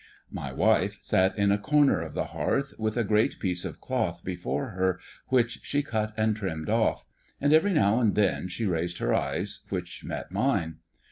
My wife sat in a corner of the hearth with a great piece of cloth before her which she cut and trimmed off; and every now and then she raised her eyes, which met mine.